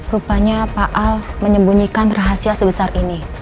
rupanya pak al menyembunyikan rahasia sebesar ini